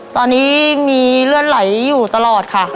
ตอนนี้มีเลือดไหลอยู่ตลอดค่ะ